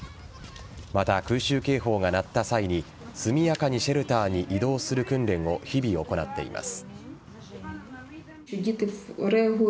また、空襲警報が鳴った際に速やかにシェルターに移動する訓練も日々行っています。